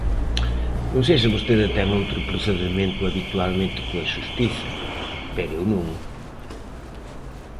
Non sei se vostede ten outro procedemento habitualmente coa xustiza, pero eu non.